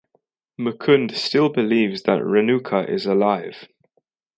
Mukund still believes that Renuka is alive.